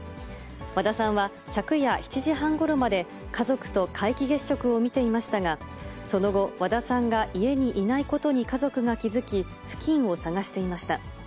和田さんは昨夜７時半ごろまで、家族と皆既月食を見ていましたが、その後、和田さんが家にいないことに家族が気付き、付近を捜していました。